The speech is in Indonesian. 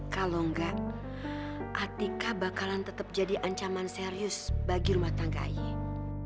kalau enggak atika bakalan tetap jadi ancaman serius bagi rumah tangga ini